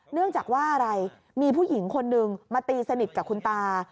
เนื่องจากว่าอะไรมีผู้หญิงคนนึงมาตีสนิทกับคุณตา